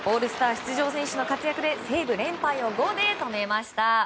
出場選手の活躍で西武、連敗を５で止めました。